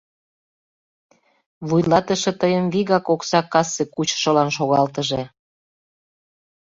— Вуйлатыше тыйым вигак окса кассе кучышылан шогалтыже.